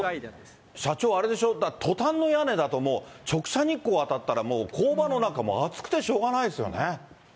社長、あれでしょ、トタンの屋根だと、直射日光当たったら、もう工場の中、暑くてしょうがないですよね。